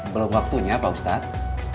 belum waktunya pak ustadz